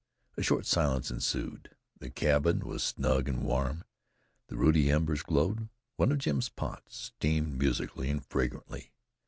A short silence ensued. The cabin was snug and warm; the ruddy embers glowed; one of Jim's pots steamed musically and fragrantly.